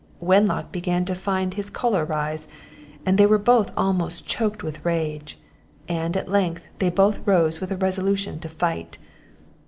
Wenlock began to find his choler rise; they were both almost choaked with rage; and, at length, they both rose with a resolution to fight.